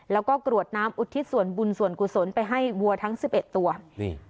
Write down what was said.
แล้วก็กรวดน้ำอุทิศส่วนบุญส่วนกุศลไปให้วัวทั้งสิบเอ็ดตัวนี่